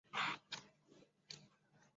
张黄二人之部队趁机控制了广州。